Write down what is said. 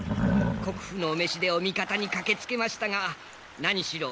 国府のお召しでお味方に駆けつけましたが何しろ